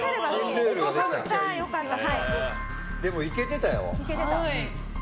でも、いけてたよ。